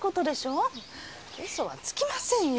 うそはつきませんよ。